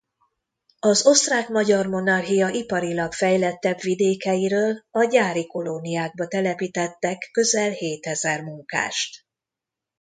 Az Osztrák–Magyar Monarchia iparilag fejlettebb vidékeiről a gyári kolóniákba telepítettek közel hétezer munkást.